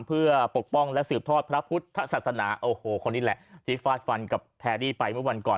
เพื่อปกป้องและสืบทอดพระพุทธศาสนาโอ้โหคนนี้แหละที่ฟาดฟันกับแพรรี่ไปเมื่อวันก่อน